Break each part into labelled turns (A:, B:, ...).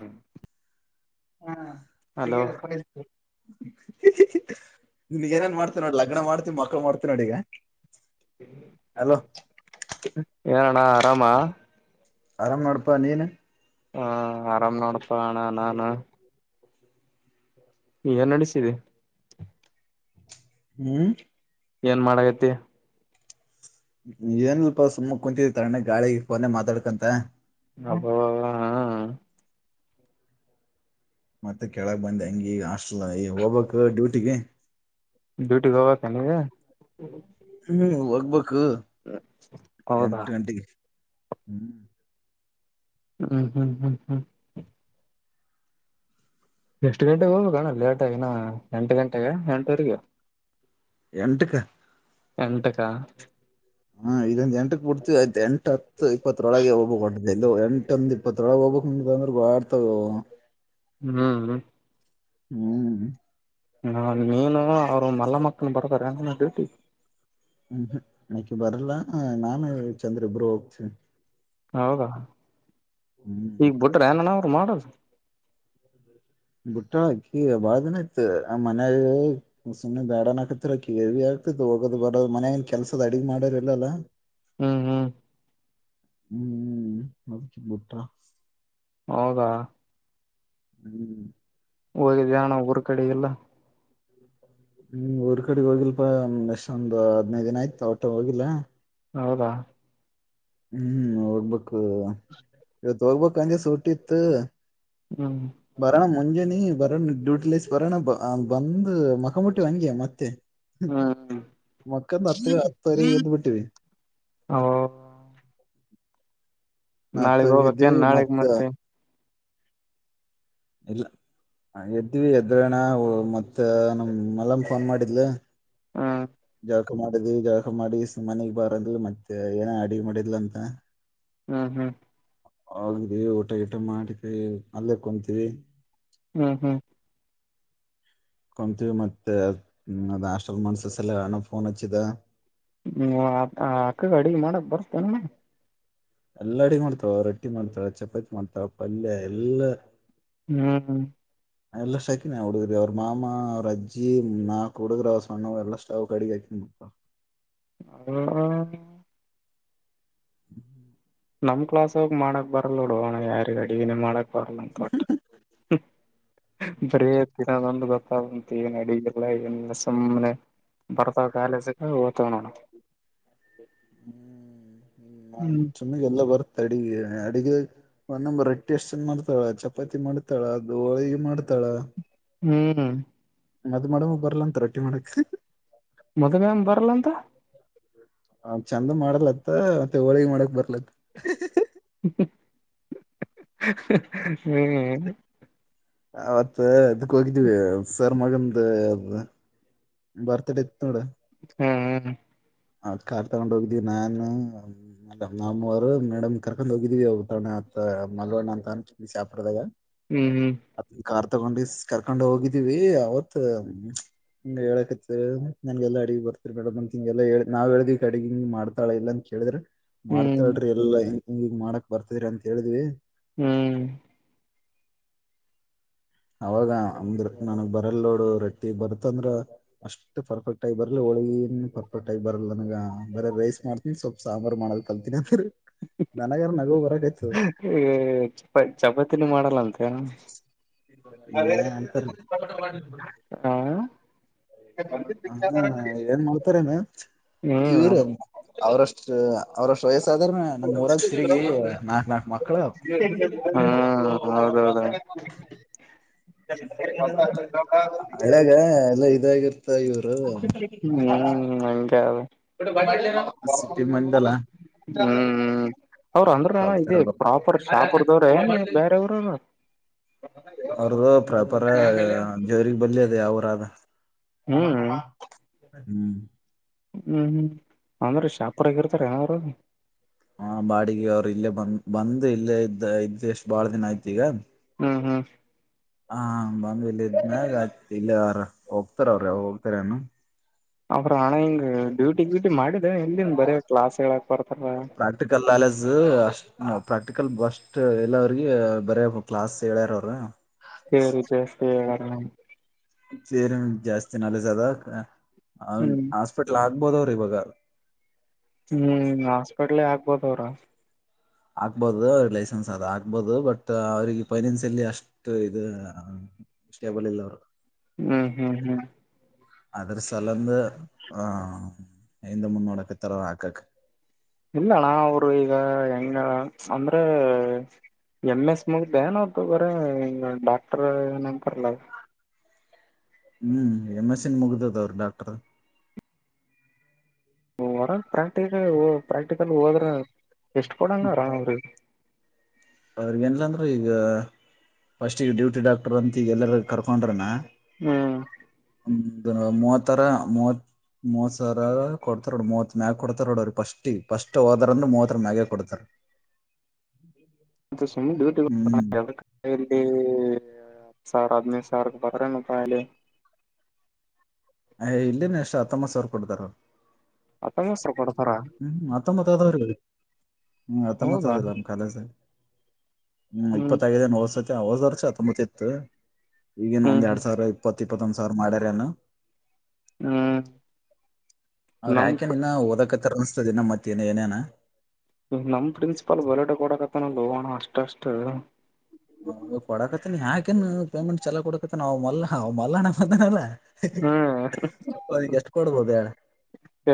A: ಹುಂ
B: [inaudible] ನಿನ್ಗ್ ಏನ್ನ ಮಾಡ್ತತಿವಿ ನೋಡ್ ಲಗ್ನ ಮಾಡ್ತತಿವಿ ಮಕ್ಳ ಮಾಡ್ತವಿ ನೋಡ ಈಗ. ಅಲೋ
A: ಏನಣ್ಣ ಆರಾಮಾ.
B: ಆರಾಮ್ ನೋಡ್ಪಾ ನೀನ.
A: ಹ ಆರಾಮ್ ನೋಡ್ಪ ಅಣ್ಣ ನಾನು. ಏನ್ ನಡ್ಸಿದಿ.
B: ಹ್ಮ್.
A: ಏನ್ ಮಾಡಗತ್ತಿ.
B: ಏನಿಲ್ಪ ಸುಮ್ಮ್ ಕುಂತಿವಿ ತಣ್ಗ ಗಾಳಿಗಿ ಫೋನ್ಯಗ ಮಾತಾಡ್ಕಂತ.
A: ಹಬ್ಬಬಾ ಹಾ.
B: ಮತ್ತೆ ಕೆಳಗ್ ಬಂದ್ಯಾ ಹೆಂಗೆ ಹಾಸ್ಟೆಲ್ ಹೋಗ್ಬೇಕ್ ಡ್ಯೂಟಿಗಿ.
A: ಡ್ಯೂಟಿಗಿ ಹೋಗ್ಬೇಕನೀಗ.
B: ಹ್ಮ್ ಹೋಗ್ಬೇಕ
A: ಹೌದಾ
B: ಎಂಟ ಗಂಟೆಗಿ ಹ್ಮ್.
A: ಹ್ಮ್ ಹ್ಮ್ ಹ್ಮ್ ಹ್ಮ್. ಎಷ್ಟ ಗಂಟೆಗೆ ಹೋಗಬೇಕಣ್ಣ ಲೇಟಾದ ಇನಾ ಎಂಟ ಗಂಟೆಗಏನ್ ಎಂಟುವರಿಗಿ.
B: ಎಂಟಕ್ಕ.
A: ಎಂಟಕ್ಕ.
B: ಹ್ಮ ಇಲ್ಲಿಂದ ಎಂಟಕ್ ಬಿಡ್ತಿವಿ ಆಯ್ತ್. ಎಂಟ್ ಹತ್ತ ಇಪ್ಪತ್ರೋಳಗೆ [unintelligible] [unintelligible]
A: ಹ್ಮ್.
B: ಹ್ಮ್.
A: ಹಾ ನೀನು ಅವ್ರು ಮಲ್ಲಮಕ್ಕನು ಬರ್ [unintelligible] ಡ್ಯೂಟಿಗಿ.
B: ಹ್ಮ್ ಹ್ಮ್ ಅಕ್ಕಿ ಬರಲ್ಲ ನಾನ ಚಂದ್ರ ಇಬ್ಬರೇ ಹೋಗ್ತಿವಿ.
A: ಹೌದಾ
B: ಹ್ಮ್
A: ಈಗ ಬಿಟ್ರ ಏನ್ ಅಣ್ಣ ಅವ್ರು ಮಾಡದ.
B: [inaudible] ಬಿಟ್ಟಾಳ್ ಅಕಿ ಬಾಳ್ ದಿನ ಆಯ್ತ. ಆ ಮನೆಗ ಸುಮ್ಮನೆ ಬ್ಯಾಡನಕತ್ತೀರಾ ಅಕಿ [unintelligible] ಹೋಗೋದ ಬರದ ಮನೇಗ ಕೆಲ್ಸದ ಅಡಿಗಿ ಮಾಡೋರ್ ಇಲ್ಲ ಅಲ್ಲಾ.
A: ಹ್ಮ್ ಹ್ಮ್.
B: ಹ್ಮ್ ಅದ್ಕೆ ಬಿಟ್ಟಳ.
A: ಹೌದಾ.
B: ಹ್ಮ್.
A: ಹೋಗಿದ್ಯಾ ಅಣ್ಣ ಊರ್ ಕಡಿಗೆಲ್ಲಾ.
B: [inaudible] ಹ್ಮ ಊರ್ ಕಡಿ ಹೋಗಿಲ್ಪಾ ಎಷ್ಟೊಂದ ಹದನೈದ್ ದಿನ ಆಯ್ತ ಒಟ್ಟ ಹೋಗಿಲ್ಲಾ.
A: ಹೌದಾ.
B: ಹ್ಮ್ ಹೋಗ್ಬೇಕ ಇವತ್ ಹೋಗ್ಬೇಕ ಅಂದೇ ಸೂಟ್ಟಿತ್ತ.
A: ಹ್ಮ್.
B: ಬರಣ ಮುಂಜನಿ ಬರಣ್ ಡ್ಯೂಟಿ ಲೇಸ್ ಬರಣ ಬಂದ ಮಕ್ಕಬುಟ್ಟಿವಿ ಹಂಗೆ. ಮತ್ತೆ
A: ಹ್ಮ್
B: ಮಕಂದ ಹತ್ತ ಹತ್ತುವರಿಗಿ ಎದ್ದು ಬಿಟ್ಟಿವಿ.
A: ಹೌ ನಾಳಿಗಿ
B: ಹತ್ತುವರೆಗೆ
A: ಹೋಗ್ಬೇಕ ಏನ್
B: ಎದ್ದಿವಿ
A: ನಾಳಿಗಿ
B: ಮತ್ತ
A: ಮತ್ತೆ.
B: ಇಲ್ಲ ಎದ್ದೀವಿ ಎದ್ದಳಣ ಮತ್ತ ನಮ್ಮ ಮಲ್ಲಮ್ಮ ಫೋನ್ ಮಾಡಿದ್ಲ.
A: ಹಾ.
B: ಜಳ್ಕ ಮಾಡಿದ್ವಿ ಜಳ್ಕ ಮಾಡಿ ಸುಮ್ಮ್ ಮನಿಗಿ ಬಾರಂದಿವಿ ಮತ್ತೆ ಏನ ಅಡಿಗಿ ಮಾಡಿದ್ಲ ಅಂತ.
A: ಹ್ಮ್ ಹ್ಮ್.
B: ಹೋಗೀದವಿ ಊಟ ಗಿಟ ಮಾಡಿದ್ವಿ ಅಲ್ಲೇ ಕುಂತವಿ.
A: ಹ್ಮ ಹ್ಮ
B: ಕುಂತ್ವಿ ಮತ್ತೆ ಅದ್ ಅದ್ ಹಾಸ್ಟೆಲ್ ಮಾಡ್ಸು ಸಲವಾಗಿ ಅಣ್ಣಾ ಫೋನ್ ಹಚ್ಚಿದ.
A: ಹ್ಮ್ ವಾ ಅಕ್ಕಗ ಅಡಿಗಿ ಮಾಡಾಕ ಬರತ್ತನ.
B: ಎಲ್ಲಾ ಅಡಿಗಿ ಮಾಡ್ತಾಳ್ ರೊಟ್ಟಿ ಮಾಡ್ತಾಳ್ ಚಪಾತಿ ಮಾಡ್ತಾಳ್ ಪಲ್ಯ ಎಲ್ಲಾ
A: ಹ್ಮ್ ಹ.
B: ಎಲ್ಲಷ್ಟ ಹಾಕಿನಿ ಹುಡುಗ್ರಿಗ್ ಅವ್ರ ಮಾಮಾ ಅವ್ರ ಅಜ್ಜಿ ನಾಕ್ ಹುಡುಗ್ರ ಅವ ಸಣ್ಣವು ಎಲ್ಲಾ ಸ್ಟ ಅವ್ ಕಡೆಗೆ ಹಾಕಿನಿ
A: [unintelligible] ನಮ್ ಕ್ಲಾಸ್ ಒಳಗ ಮಾಡಕ್ ಬರಲ್ಲ ನೋಡೊ ಅಣ್ಣ ಯಾರಿಗ್ ಅಡಿಗಿನೆ ಮಾಡಕ್ ಬರಲ್ಲ ಅಂತ ಒಟ್ಟ ಬರೆ ತಿನ್ನದೊಂದು ಗೊತ್ತ ಅವಕ ಎನ್ ಅಡಿಗ ಬರಲ್ಲ ಏನ್ ಇಲ್ಲ ಸುಮ್ನೆ ಬರ್ತಾವ ಕಾಲೇಜಗ ಒತಾವ ನೋಡ ಹ್ಮ್
B: ಚಿನ್ನುಗ್ ಎಲ್ಲ ಬರತ್ ಅಡಿಗಿ ಅಡಿಗ್ ಒನ್ನ ನಂಬರ್ ರೊಟ್ಟಿ ಅಷ್ಟಂದ ಮಾಡ್ತಾಳ ಚಪಾತಿ ಮಾಡ್ತಾಳ ಅದು ಹೋಳಿಗಿ ಮಾಡ್ತಾಳ
A: ಹ್ಮ್.
B: ಮದು ಮ್ಯಾಡಮ್ ಗು ಬರಲ್ಲ ಅಂತ ರೊಟ್ಟಿ ಮಾಡಕ್
A: ಮದು ಮ್ಯಾಮ್ ಗ್ ಬರಲ್ಲ ಅಂತ.
B: ಹ ಚೆಂದ ಮಾಡಲತ್ತ ಮತ್ತೆ ಹೋಳಿಗಿ ಮಾಡಕ್ ಬರಲ್ಲತ್ತ.
A: ಹ್ಮ್.
B: ಅವತ್ ಇದಕ್ಕ ಹೋಗಿದ್ದೀವಿ ಸರ್ ಮಗಂದ ಅ ಬರ್ತ್ಡೇ ಇತ್ತ ನೋಡ
A: ಹ್ಮ್ ಹ್ಮ.
B: ಆ ಕಾರ್ ತಗೊಂಡ್ ಹೋಗಿದ್ವಿ ನಾನ್ ನಮ್ಮ್ವರು ಮೇಡಮ್ ಕರ್ಕೊಂಡ್ ಹೋಗಿದೀವಿ ಅತ್ತ ಮಲ್ಲು ಅಣ್ಣಾ ಅಂತ ಅಂತ ಬಿಜಾಪುರದಾಗ.
A: ಹ್ಮ್ ಹ್ಮ್.
B: ಅದ ಕಾರ್ ತಗೊಂಡಿಸ ಕರ್ಕೊಂಡ್ ಹೋಗಿದ್ದೀವಿ ಅವತ್ ಹಂಗ ಹೇಳಕತ್ತಿದ್ರ ನನಗೆಲ್ಲ ಅಡಿಗಿ ಬರತ್ತರಿ ಮೇಡಮ್ ಅಂತ ಹಿಂಗೆಲ್ಲಾ ಹೇಳಾಕತ್ತಿದ್ರ ನಾವ್ ಹೇಳ್ದಿವ ಇಕಡಿಗಿ ಮಾಡ್ತಾಳ ಇಲ್ಲ ಅಂತ ಕೇಳಿದ್ರ
A: ಹ್ಮ್ ಹ್ಮ್
B: ಮಾಡ್ತಾಳ್ರಿ ಇಲ್ಲಾ ಈಗ ಮಾಡಕ್ ಬರ್ತದರಿ ಅಂತ ಹೇಳಿದ್ವಿ
A: ಹ್ಮ್.
B: ಅವಾಗ ಆ ಅಂದ್ರ ನನಗ್ ಬರಲ್ ನೋಡು ರೊಟ್ಟಿ ಬರ್ತಂದ್ರ ಅಷ್ಟ ಟ್ಟ್ ಪರ್ಫೆಕ್ಟ್ ಆಗಿ ಬರಲ್ಲ ಹೋಳಗಿನ್ ಪರ್ಫೆಕ್ಟ್ ಆಗಿ ಬರಲ್ಲ ನನಗ ಬರೇ ರೈಸ್ ಮಾಡ್ತೀನ್ ಸ್ವಲ್ಪ ಸಾಂಬಾರ ಮಾಡದ ಕಲ್ತೀನಿ ಅಂದ್ರ ನನಗರ ನಗು ಬರಾಕತ್ತ್
A: ಈ ಚಪಾ ಚಪಾತಿನ ಮಾಡಲ್ಲಂತ
B: ಇಲ್ಲಾ ಅಂತ.
A: ಹಾ
B: ಹ ಏನ್ ಮಾಡ್ತಾರನ
A: ಹ್ಮ್
B: ಇವ್ರ ಅವರಷ್ಟ ಅವ್ರಷ್ಟ್ ವಯಸ್ಸಾದವ್ರನ ನಮ್ ಊರಾಗ್ ತಿರಗಿ ನಾಕ್ ನಾಕ್ ಮಕ್ಳ ಆವ
A: ಹೌದೌದ
B: ಹಳ್ಳಾಗ ಎಲ್ಲ ಇದು ಆಗ್ ರ್ತದ ಇವರು
A: ಹ್ಮ್ ಹಂಗ ಅದ
B: ಸಿಟಿ ಮಂದೆಲ್ಲ
A: ಹ್ಮ್ ಅವ್ರ ಅಂದ್ರನು ಮಾಮ ಇದೇ ಪ್ರಾಪರ್ ಶಾಪುರ್ದವ್ರೆನ್ ಬ್ಯಾರೆ ಊರಾವ್ರ್
B: ಅವ್ರ್ದ ಪ್ರಾಪರ ದೇವ್ರಿಗ ಬಲ್ಲೆ ಅದ ಯಾವುರದ
A: ಹ್ಮ್
B: ಟಮ್ಯಾಟಪ್ಪ ಹ್ಮ.
A: ಹ್ಮ್ ಹ್ಮ್ ಅಂದ್ರೀ ಶಾಪುರಗ ಇರ್ತಾರ ಅವರು
B: ಹಾ ಬಾಡಿಗೆ ಅವ್ರು ಇಲ್ಲೇ ಬಂದ ಬಂದ್ ಇಲ್ಲೇ ಇದ್ದ ಇದ್ದ್ ಎಷ್ಟು ಬಾಳ ದಿನ ಆಯ್ತ ಈಗ
A: ಹ್ಮ ಹ್ಮ
B: ಹ ಬಂದ ಇಲ್ಲಿ ಇದನಾಗ ಇಲ್ಲಿ ಅವ್ರ ಹೋಗ್ತಾರ ಅವ್ರ ಯಾವಾಗ ಹೋಗ್ತಾರ ಏನು
A: ಅವ್ರಾ ಹಣ ಹಂಗ ಡ್ಯೂಟಿಗ್ ಗುಯ್ಟಿ ಮಾಡಿದ ಎಲ್ಲಿಂದ ಬರೇ ಕ್ಲಾಸ್ ಹೇಳಾಕ್ ಬರ್ತಾರ
B: ಪ್ರಾಕ್ಟಿಕಲ್ ನಾಲೆಜ್ ಅಷ್ಟ ಹ ಪ್ರಾಕ್ಟಿಕಲ್ ಬಸ್ಟ್ ಎಲ್ಲ್ರಗ ಬರ ಕ್ಲಾಸ್ ಹೇಳ್ಯಾರ ಅವ್ರ
A: [unintelligible]
B: ಸೇರಿ ಜಾಸ್ತಿ ನಾಲೆಜ್ ಅದ
A: ಹ್ಮ್
B: [unintelligible] ಸ್ಟ್ ಆಗ್ಬೋದ್ ಅವ್ರ ಇವಾಗ
A: ಹ್ಮ್ ಹಾಸ್ಪಿಟ್ಲ್ ಆಗ್ಬೋದ ಅವ್ರ
B: ಆಗ್ಬಹದು ಅವ ಲೈಸೆನ್ಸ್ ಅದ ಆಗ್ಬಹದು ಬಟ್ ಅವ್ರಿಗೆ ಫೈನೆನ್ಸ್ ಅಲ್ಲಿ ಅಷ್ಟ್ ಇದು ಸ್ಟೇಬಲ್ ಇಲ್ಲ ಅವರು
A: ಹ್ಮ್ ಹ್ಮ್ ಹ್ಮ್
B: ಅದ್ರ ಸಲಂದು ಆಹ ಹಿಂದ ಮುನ್ನೋಡಕ್ಕೆ ತರ ಹಕಕ್
A: ಇಲ್ಲಣ್ಣ ಅವರು ಈಗ ಹೆಂಗ ಅಂದ್ರೆ ಎಂ ಎಸ್ ಮುಗ ಬೇನೋತ್ತು [unintelligible] ಡಾಕ್ಟರ್ ಏನ್ ಅಂತಾರಲ್ಲ
B: ಹ್ಮ್ ಎಮ್ಸ್ಸನ್ ಮುಗ್ದದ ಅವ್ರರು ಡಾಕ್ಟರ್
A: ಹೊರ ಪ್ರಾಕ್ಟಿಕಲ್ ಪ್ರಾಕ್ಟಿಕಲ್ ಹೋದ್ರ ಎಷ್ಟು ಕೊಡಂಗರ ಅವ್ರ
B: ಎಲಂದ್ರು ಈಗ ಫಸ್ಟ್ ಈಗ ಡ್ಯೂಟಿ ಡಾಕ್ಟರ್ ಅಂತ ಈಗ ಎಲ್ಲರ ಕರ್ಕೊಂಡ್ರನಾ
A: ಹ್ಮ
B: ಮೂವತ್ತರ ಮೂವತ್ ಮೂವತ್ ಸವ್ರ ಕೊಡ್ತಾರ ನೋಡ್ ಮೂವತ್ ಮ್ಯಾಗ ಕೊಡ್ತಾರ ನೋಡ ಅವ್ರೀ ಫಸ್ಟ ಫಸ್ಟ್ ಹೋದ್ರಂದ ಮೂವತ್ತರ ಮ್ಯಾಗೆ ಕೊಡ್ತಾರ ಹ [unintelligible]
A: ಸುಮ್ನೆ ಡ್ಯೂಟಿ [unintelligible] ಎಲ್ಲಿ ಹತ್ತು ಸಾವರ ಹದಿನೈದು ಸಾವಿಗೆ ಬರ್ರ ರೂಪಾಯಲಿ
B: ಅಯ ಇಲ್ಲಿನ ಎಷ್ಟ್ ಹತ್ತೊಂಬತ್ ಸಾವಿರ ಕೊಡ್ತಾರ
A: ಹತೋಬತ್ತು ಸಾವ್ರ ಕೋಡ್
B: ಹ್ಮ್ ಹತ್ತೊಬತ್ ಆದ ಹ್ಮ ಹತ್ತೊಬತ್
A: ಹ್ಮ್
B: ಆದ ನಮ್ ಕಾಲೇಜಲ್ಲಿ ಹ್ಮ್ ಇಪ್ಪತ್ತಗಿದೆ ಹೊವಸತಿ ಹೋದ ವರ್ಷ ಹತ್ತೊಂಬತ್ ಇತ್ತು ಈಗಿನ್
A: ಹ್ಮ್
B: ಒಂದ್ ಎರಡ್ ಸಾವಿರ ಇತ್ತು ಇಪತ್ತ್ ಇಪ್ಪತ್ತೊಂದ್ ಸಾವರ್ ಮಾಡಾರೆನೊ
A: ಹ್ಮ್
B: ಅವ್ರ
A: ನಮ್
B: ಯಾಕೆನ್ ಇನ್ನ ಓದಕತ್ತ ಅನ್ಸ್ತದನ್ನ ಮತ್ತಏನ ಏನೇನ
A: ನಮ್ ಪ್ರಿನ್ಸಿಪಲ್ ಬರಟ ಕೊಡಕತ್ತನಲ್ಲ ಅವ ಅಷ್ಟಷ್ಟ
B: ಹ ಕೊಡಕತ್ತನ ಯಾಕನ್ ಪೇಮೆಂಟ್ ಚಲ ಕೊಡಕತ್ತನ್ ಅವ ಮಲ್ಲ ಅವ ಮಲ್ಲಣ್ಣ ಮತನಲ್ಲ
A: ಹ್ಮ್
B: ಅದ್ಕ್ ಎಷ್ಟು ಕೊಡ್ಬಹದು ಹೇಳ?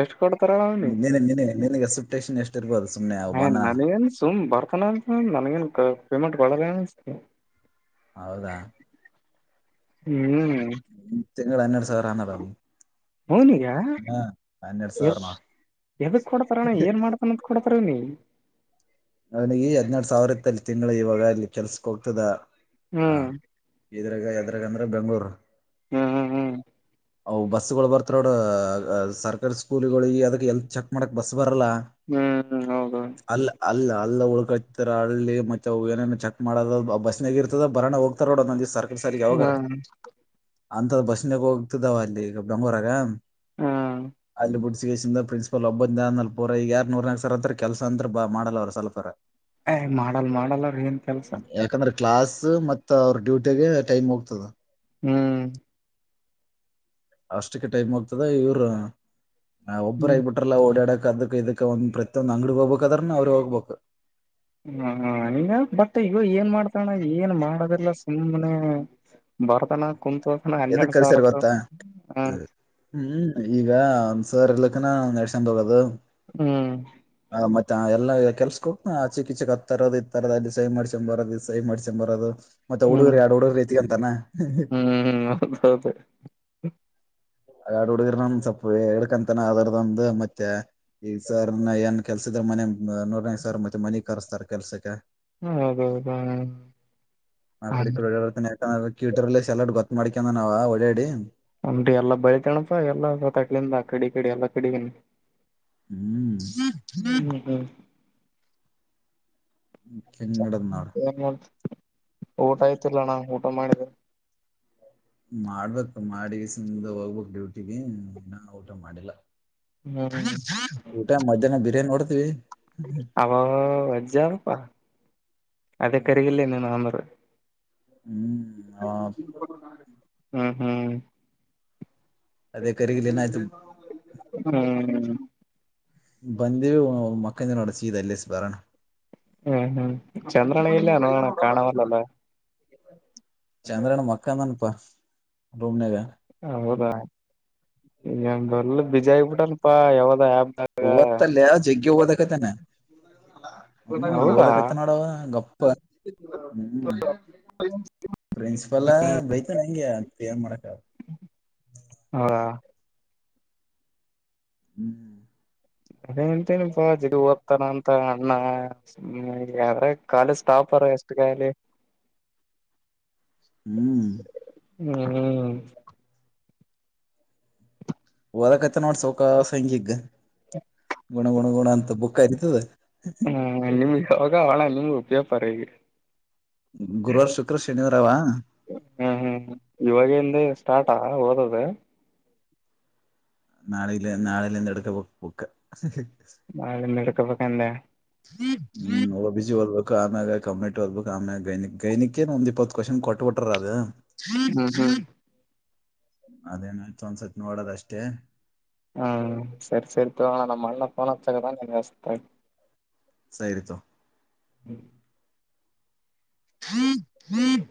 A: ಎಷ್ಟ್ ಕೊಡ್ತಾರ ಅವನಿ
B: ನಿಗೆ [unintelligible] ಸ್ಟೇನ್ ಎಷ್ಟ ಇರ್ಬೋದು ಸುಮ್ಮನೆ
A: ಹ ನನಗಏನ್ ಸುಮ್ ಬರ್ತಾನ ಅಂತ ನನ್ಗನ್ ಪೇಮೆಂಟ್ ಕೊಡಲ್ಲ ಅನ್ಸತದ
B: ಹೌದಾ
A: ಹ್ಮ್
B: ತಿಂಗಳು ಹನ್ನೆರಡು ಸಾವ್ರನ್ನ
A: ಅವನಿಗೆ
B: ಹನ್ನೆರಡ್
A: ಎದ
B: ಸಾವಿರ
A: ಎದಕ್ ಕೊಡತರಣ್ಣ ಏನ್ ಮಾಡ್ ನತ್ ಕೊಡತ್ರ ನೀ
B: ಅವನ ಈ ಹದಿನ್ಯೆದು ಸಾವಿರ ಇತ್ತಲ್ಲಿ ತಿಂಗಳು ಇವಾಗ ಅಲ್ಲಿ ಕೆಲ್ಸಕ್ ಹೋಗ್ತದ ಹ
A: ಹ್ಮ್
B: ಇದ್ರ ಯದ್ರಾಗ ಅಂದ್ರೆ ಬೆಂಗ್ಳೂರು
A: ಹ್ಮ್ ಹ್ಮ್ ಹ್ಮ್
B: ಅವು ಬಸ್ಗಳು ಬರ್ತೋವ ನೋಡು ಸರ್ಕಾರಿ ಸ್ಕೂಲ್ಗಳಿಗೆ ಅದಕ್ಕೆ ಎಲ್ತ್ ಚೆಕ್ ಮಾಡಕ್ ಬಸ್ ಬರಲ್ಲ
A: ಹ್ಮ [unintelligible] ಹೌದ
B: ಅಲ್ಲ ಅಲ್ಲ ಅಲ್ಲ ಉಳ್ಕಾತಾರ ಹಳ್ಳಿ ಮತ್ತೆ ಏನ್ ಚೆಕ್ ಮಾಡದ ಬಸ್ನಾಗ ಇರ್ತದ ಬರಾನ ಹೋಗ್ತಾರ ನೋಡ ನಂದ ಸರ್ಕ ಸರ್ಕ ಯಾವಾಗರ
A: ಹ್ಮ್
B: ಅಂತ ಬಸ್ನಾಗ ಹೋಗ್ತಿದಾವ ಅಲ್ಲಿ ಈಗ ಬೆಂಗ್ಳೂರಾಗ
A: ಹ್ಮ್
B: ಅಲ್ಲಿ ಬೀಡಸಿಕಸ ಪ್ರಿನ್ಸ್ ಸ್ವಲ್ಪ ಒಬ್ಬಂದ ಜನ್ ಪೋರ ಈಗ ಯಾರ್ ನೂರ್ ನಾಕ ಸರ್ ಅತ್ರ ಕೆಲಸ ಅಂತ ಬಾಳ ಮಾಡಲ್ಲವ ಅವ ಸ್ವಲ್ಪಾರ
A: ಏ ಮಾಡಲ್ ಮಾಡಲ್ಲ ರೀ ಏನ್ ಕೆಲ್ಸಾ
B: ಯಾಕಂದ್ರ ಕ್ಲಾಸ್ ಮತ್ತ ಅವ್ರ ಡ್ಯೂಟಿಗೆ ಟೈಮ್ ಹೋಗ್ತದ
A: ಹುಂ
B: ಅಷ್ಟಕ್ಕೆ ಟೈಮ್ ಹೋಗ್ತದೆ ಇವರು
A: ಹ್ಮ
B: ಒಬ್ಬರಾಗಿಬಿಟ್ಟ್ ಎಲ್ಲ ಓಡಕ್ ಅದಕ್ ಇದಕ್ ಒಂದ ಪ್ರತಿಯೊಂದ ಅಂಗಡಿ ಹೋಗ್ಬೇಕ ಅದ್ರೂ ಅವ್ರು ಹೋಗ್ಬೇಕ
A: ಹ ಈಗ ಬಟ್ ಈಗ ಏನ್ ಮಾಡೊದ ಏನ್ ಮಾಡದೆಲ್ಲಾ ಸುಮ್ಮನೆ ಬರ್ದಾನ ಕುತ್ರ್ತಾನ
B: ಎದಕ್
A: ಹನ್ನೆರಡು ಸಾವಿರದ ಹಾ
B: ಹುಂ ಈಗ ಒಂದ್ಸರ್ ಇರ್ಲಕ್ಕನ ಒಂದ್ ರೇಷನ್ ತಗೊಳೋದು
A: ಹುಂ
B: ಹ ಮತ್ತೆ ಎಲ್ಲಾ ಕೆಲ್ಸಕ ಹೋಕ್ತ ಆ ಚಿಕ್ ಚಿಕ್ ಹತ್ತರದ ಇತರದ ಅಲ್ಲಿ ಸಹಿ ಮಾಡ್ಕೊಂಡ್ ಬರೋದು ಸಹಿ ಮಾಡಿಸ್ಕೊಂಡ ಬರೋದು ಮತ್ತೆ ಹುಡುಗ್ರ ಎರಡು ಹುಡುಗ್ರ ಐತಿಕೋತಾನ
A: ಹುಂ ಹುಂ ಹೌದ ಹೌದ
B: ಆ ಎಡ್ ಹುಡಗ್ರ ನನ್ ಸ್ವಲ್ಪ ಹೇಳ್ಕಂತನ ಅದರದೋಂದು ಮತ್ತೆ ಈಗ ಸರ್ ನ ಎನ್ ಕೆಲ್ಸಿದ್ರ ಮನೆ ನೂರದ ಸರ್ ಮತ್ತೆ ಮನಿ ಕರಸ್ತಾರೆ ಕೆಲ್ಸಕ್ಕೆ
A: ಹೌದೌದು ಹ್ಮ
B: ಆ ಕಡೆ ಈ ಕಡೆ ಹೋಳವರನೆ ಕ್ಯೂಟರ್ಲ್ಲಿ ಸ ಎಲಡ್ ಗೊತ್ ಮಾಡಕಂದ ನಾವ ಓಡಾಡಿ
A: ಒನ್ ಎಲ್ಲಾ ಬೆಳಿತಣಪ ಎಲ್ಲಾ ವತಟ್ಲಿಂದ ಆ ಕಡಿ ಈ ಕಡಿ ಎಲ್ಲಾ ಕಡೆಗಿನು
B: ಹುಂ
A: ಹುಂ ಹುಂ
B: ಹಿಂಗ್ ನಡದ್ ನೋಡ್.
A: ಏ ಊಟಾ ಆಯ್ತಿಲ್ಲಣಾ ಊಟಾ ಮಾಡಿದಾ
B: ಮಾಡ್ಬೇಕ ಮಾರ್ಕೆಸಿಂದ ಹೋಗ್ಬೇಕ್ ಡ್ಯೂಟಿಗಿ ಇನ್ನ ಊಟಾ ಮಾಡಿಲ್ಲಾ
A: ಹುಂ
B: ಮಧ್ಯಾಹ್ನ ಬಿರಿಯಾನಿ ಹೋಡದವಿ
A: ಅಬಬ್ಬ ವಜ್ಜದಪ್ಪಾ ಅದೇ ಕರಿಗಿಲ್ಲ ನೀನು ಹಂಗೆ ಅಂದರ
B: ಹುಂ ಹಾ
A: ಹುಂ ಹುಂ
B: ಅದೇ ಕರಿಗಲನಾಯ್ತು
A: ಹುಂ
B: ಬಂದಿವಿ ಮಕ್ಕಂದ ಸೀದಾ ಇಲ್ಲಿ ಬರೋಣಾ
A: ಹುಂ ಹುಂ ಚಂದ್ರನ ಇಲ್ಲಾ ಅನಾ ಕಾಣವಲ್ಲಾಲ್ಲ
B: ಚಂದ್ರನ ಮಕ್ಕೊಡಾನಪ್ಪ ರೂಮನಾಗ
A: ಹೌದಾ ಪುಲ್ಲ್ ಬಿಜಿ ಆಗ್ಬಿಟನ್ಪಾ ಯಾವದ ಆಪ್ ನಾಗ
B: ಓದ್ತಲ್ಲ
A: ಹ
B: ಹುಂ ಓದಕತ್ ನೋಡವ್ ಗಪ್ಪ ಹ ಪ್ರಿನ್ಸಿಪಾಲ್ ಬೈತನೆ ಹೆಂಗೆ ಏನ್ ಮಾಡಕ ಆಗಲ್
A: ಹಾ
B: ಹುಂ
A: ಎಂತೇನಪ್ಪಾ ಜಿಗು ಓದ್ತಾನ ಅಂತಾ ನಾ ಯಾದ್ರಗ ಕಾಲೇಜ್ ಸ್ಟಾಪರ್ ಎಷ್ಟು ಗಾಲೆ
B: ಹ್ಮ್ಹೂ
A: ಹ್ಮ್ಮ್
B: ಓದಕತ್ತಾನ ನೋಡ್ ಸೌಕಾಸ್ ಹಿಂಗಗ್ ಗೊಣ ಗೊಣ ಗೊಣಾ ಅಂತ ಬುಕ್ ಇದು
A: ಹ್ಮ ನಿಮ್ಗ ಹೊಗಾವಳ್ಳ ನಿಮ್ಗೆ ಪೆಪರ್ ಈಗ
B: ಗುರುವಾರ ಶುಕ್ರ ಶನಿವಾರ ಅವಾ
A: ಹ್ಮ್ ಹ್ಮ್ ಇವಾಗಿಂದ ಸ್ಟಾರ್ಟಾ ಓದದ
B: ನಾಳಿಲೆ ನಾಳಲಿಂದ ಹಿಡಕ ಬೇಕು ಬುಕ್ಕ
A: ನಾಳೆಲಿಂದ ಹಿಡಕಬೇಕ ಅಂದ್ಯಾ
B: ಹ್ಮ್ ಓ ಬಿ ಜಿ ಓದ್ಬೇಕ ಆಮ್ಯಾಗ ಕಂಮೆಟ್ ಓದ್ಬೇಕ ಆಮ್ಯಾಗ ಗೈನಿಕ್ ಗೈನಿಕೇನ್ ಒಂದ್ ಇಪ್ಪತ್ತ್ ಕ್ವಶನ್ ಕೊಟ್ಬಿಟ್ಟ್ ಟ್ರ ಆದ [inaudible]
A: ಹ್ಮ್ ಹ್ಮ್
B: ಅದೇನಿತ್ ಒಂದ್ಸತ್ ನೋಡೋದಷ್ಟೇ.
A: ಹ್ಮ್ ಸರಿ ಸರಿ ತೊಣ್ಣನಮ್ಮನ್ನ ಫೋನ್ ಹಚ್ಚಕತಾನ ನಿಂಗ್ ಹಚ್ತೇನಿ
B: ಸೈರಿ ತೊ.
A: [unintelligible] [inaudible]